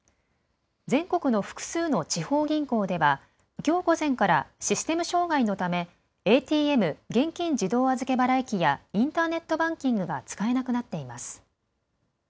全国の複数の地方銀行ではきょう午前からシステム障害のためＡＴＭ・現金自動預け払い機やインターネットバンキングが使えなくなっています。